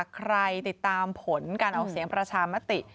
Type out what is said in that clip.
ติดตามผลการออกเสียงประชามติ